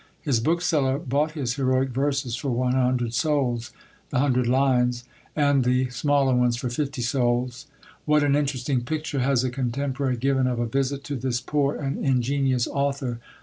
His bookseller bought his heroic verses for one hundred sols the hundred lines, and the smaller ones for fifty sols. What an interesting picture has a contemporary given of a visit to this poor and ingenious author!